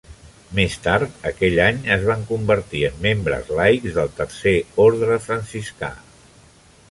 Més tard, aquell any es van convertir en membres laics del Tercer Orde Franciscà.